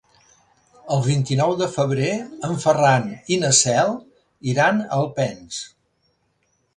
El vint-i-nou de febrer en Ferran i na Cel iran a Alpens.